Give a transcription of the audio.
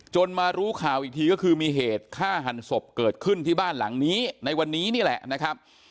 มารู้ข่าวอีกทีก็คือมีเหตุฆ่าหันศพเกิดขึ้นที่บ้านหลังนี้ในวันนี้นี่แหละนะครับ